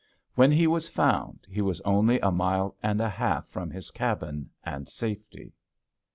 When he was found, he was only a mile and a half from his cabin and safety.